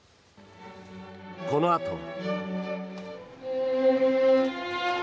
このあとは。